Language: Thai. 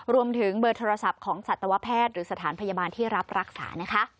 รวมถึงเบอร์โทรศัพท์ของสัตวแพทย์หรือสถานพยาบาลที่รับรักษานะคะ